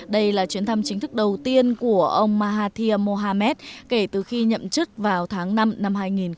đây là chuyến thăm chính thức đầu tiên của ông mahathir mohamad kể từ khi nhậm chức vào tháng năm năm hai nghìn một mươi